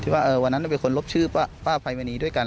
ว่าวันนั้นเป็นคนลบชื่อป้าภัยมณีด้วยกัน